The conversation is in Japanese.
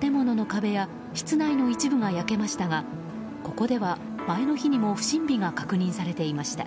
建物の壁や室内の一部が焼けましたがここでは、前の日にも不審火が確認されていました。